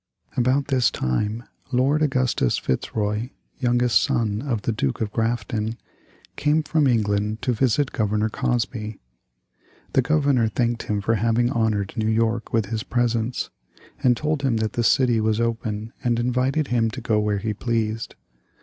About this time Lord Augustus Fitzroy, youngest son of the Duke of Grafton, came from England to visit Governor Cosby. The Governor thanked him for having honored New York with his presence, and told him that the city was open and invited him to go where he pleased.